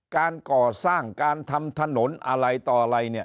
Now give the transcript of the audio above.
การก่อสร้างการทำถนนอะไรต่ออะไรเนี่ย